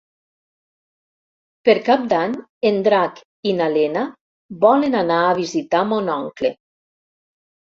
Per Cap d'Any en Drac i na Lena volen anar a visitar mon oncle.